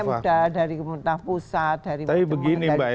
dari pemda dari muntah pusat dari macam mengendalikan harga itu